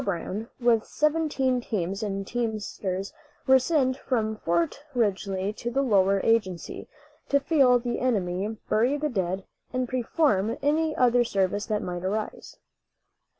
Brown, with seventeen teams and teamsters, were sent from Fort Ridgely to the Lower Agency, to feel the enemy, bury the dead, and perform any other service that might arise.